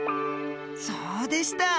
そうでした。